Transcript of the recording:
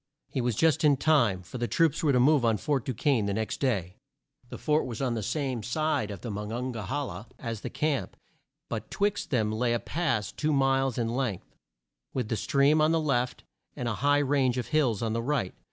He was just in time, for the troops were to move on Fort Du quesne the next day. The fort was on the same side of the Mon on ga he la as the camp, but twixt them lay a pass two miles in length, with the stream on the left and a high range of hills on the right.